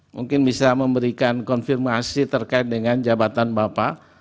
mungkin bisa memberikan konfirmasi terkait dengan jabatan bapak